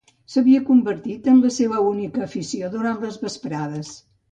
S’havia convertit en la seua única afició durant les vesprades.